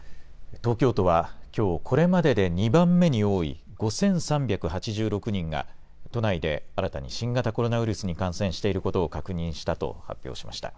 東京都はきょう、これまでで２番目に多い、５３８６人が、都内で新たに新型コロナウイルスに感染していることを確認したと発表しました。